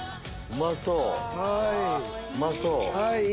うまそう！